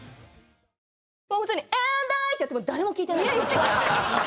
普通に「ＡｎｄＩ」ってやっても誰も聴いてない。